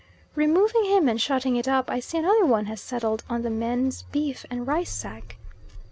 Removing him and shutting it up, I see another one has settled on the men's beef and rice sack.